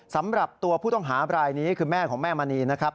สำหรับตัวผู้ต้องหาบรายนี้คือแม่ของแม่มณีนะครับ